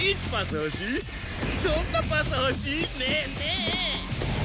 どんなパス欲しい？ねえねえ！